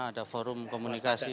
ada forum komunikasi